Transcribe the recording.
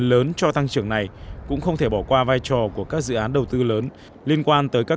lớn cho tăng trưởng này cũng không thể bỏ qua vai trò của các dự án đầu tư lớn liên quan tới các